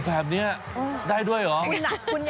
แบบนี้ได้ด้วยเหรอ